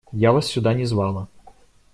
Я вас сюда не звала.